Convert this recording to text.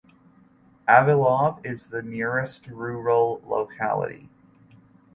Avilov is the nearest rural locality.